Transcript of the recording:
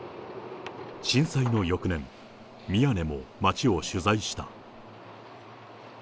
震災の翌年、宮根も町を取材した。